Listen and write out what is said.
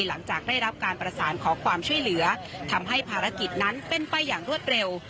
หลังจากได้รับการประสานขอความช่วยเหลือทำให้ภารกิจนั้นเป็นไปอย่างรวดเร็ว